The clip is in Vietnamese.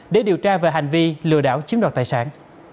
để điều tra về hành vi lừa đảo chiếm đoạt tài sản